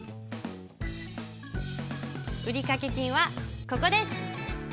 売掛金はここです。